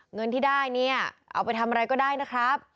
เงินที่ได้เนี่ยเอาไปทำอะไรก็ได้นะครับ